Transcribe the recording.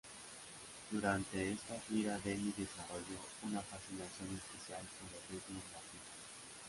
Durante esta gira Denny desarrolló una fascinación especial por los ritmos latinos.